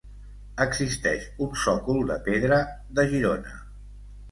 Existeix un sòcol de pedra de Girona.